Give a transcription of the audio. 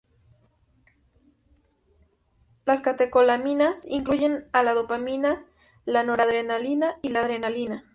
Las catecolaminas incluyen a la dopamina, la noradrenalina y la adrenalina.